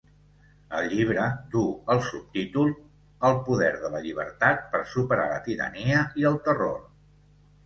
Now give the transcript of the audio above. El llibre duu el subtítol "El poder de la llibertat per superar la tirania i el terror".